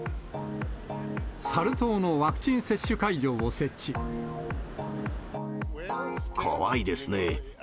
サル痘のワクチン接種会場を怖いですね。